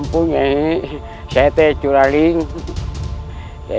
pasti yang itu